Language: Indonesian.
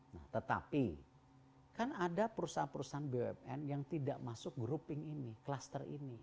nah tetapi kan ada perusahaan perusahaan bumn yang tidak masuk grouping ini kluster ini